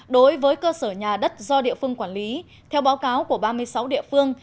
đối với cơ sở nhà đất do địa phương quản lý theo báo cáo của ba mươi sáu địa phương